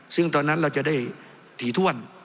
ซึ่งตอนนั้นเราจะได้ถี่ถ้วน